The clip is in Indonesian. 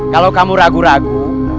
kalau kamu ragu ragu